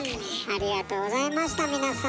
ありがとうございました皆さん。